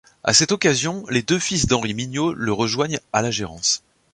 À cette occasion, les deux fils d'Henri Mignot le rejoignent à la gérance.